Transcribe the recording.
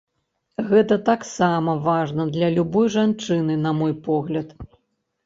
Гэта таксама важна для любой жанчыны, на мой погляд.